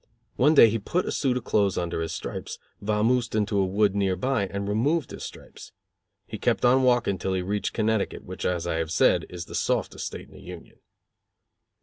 One day he put a suit of clothes under his stripes, vamoosed into a wood near by, and removed his stripes. He kept on walking till he reached Connecticut, which, as I have said, is the softest state in the Union.